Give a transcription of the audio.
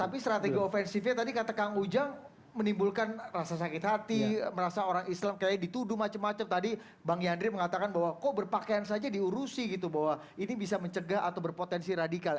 tapi strategi ofensifnya tadi kata kang ujang menimbulkan rasa sakit hati merasa orang islam kayak dituduh macam macam tadi bang yandri mengatakan bahwa kok berpakaian saja diurusi gitu bahwa ini bisa mencegah atau berpotensi radikal